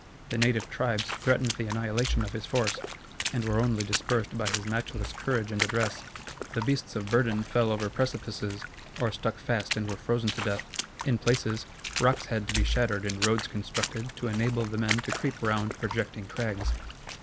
The native tribes threatened the annihilation of his force, and were only dispersed by his matchless courage and address. The beasts of burden fell over precipices, or stuck fast and were frozen to death. In places, rocks had to be shattered and roads constructed to enable the men to creep round projecting crags.